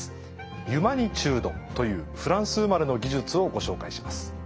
ユマニチュードというフランス生まれの技術をご紹介します。